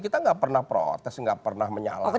kita gak pernah protes gak pernah menyalahkan